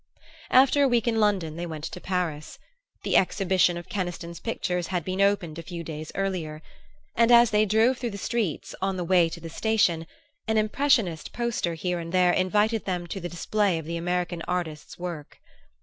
After a week in London they went to Paris. The exhibition of Keniston's pictures had been opened a few days earlier; and as they drove through the streets on the way to the station an "impressionist" poster here and there invited them to the display of the American artist's work.